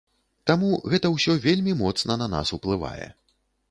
Таму гэта ўсё вельмі моцна на нас уплывае.